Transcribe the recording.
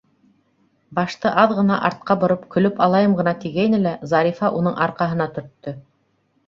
Башты аҙ ғына артҡа бороп көлөп алайым ғына тигәйне лә, Зарифа уның арҡаһына төрттө: